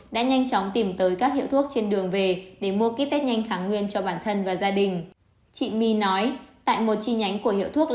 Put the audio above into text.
đã nhanh chóng tìm tới các hiệu thuốc trên đường về để mua kit test nhanh kháng nguyên cho bản thân và gia đình